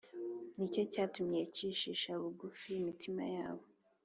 nicyo cyatumye icishisha bugufi imitima yabo